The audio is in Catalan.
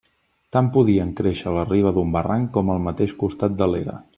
Tant podien créixer a la riba d'un barranc com al mateix costat de l'era.